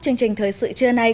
chương trình thời sự trưa nay